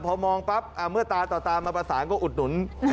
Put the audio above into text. พอมองปั๊บเมื่อตาต่อตามาประสานก็อุดหนุน